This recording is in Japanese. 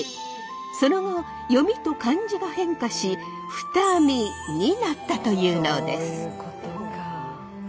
その後読みと漢字が変化し二見になったというのです。